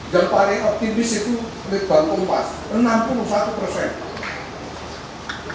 yang paling optimis itu dari bankung pas enam puluh satu persen